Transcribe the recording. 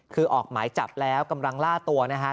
คือออกหมายจับแล้วกำลังล่าตัวนะฮะ